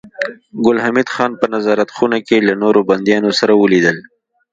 ګل حمید خان په نظارت خونه کې له نورو بنديانو سره ولیدل